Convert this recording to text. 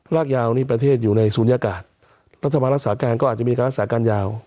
รากยาวนี่ประเทศอยู่ในศูนยากาศรัฐบาลรักษาการก็อาจจะมีการรักษาการยาว